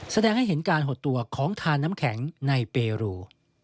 แสดงให้เห็นการหดตัวของทานน้ำแข็งในเปรู